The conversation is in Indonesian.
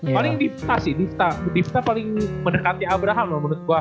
paling divta sih divta paling mendekati abraham loh menurut gue